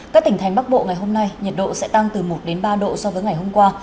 các tỉnh thành bắc bộ ngày hôm nay nhiệt độ sẽ tăng từ một đến ba độ so với ngày hôm qua